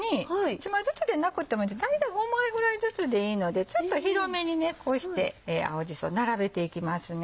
１枚ずつでなくてもいいです大体５枚ぐらいずつでいいのでちょっと広めにこうして青じそ並べていきます。